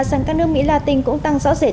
dẫn các nước mỹ latin cũng tăng rõ rệt